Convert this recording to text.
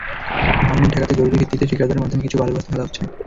ভাঙন ঠেকাতে জরুরি ভিত্তিতে ঠিকাদারের মাধ্যমে কিছু বালুর বস্তা ফেলা হচ্ছে।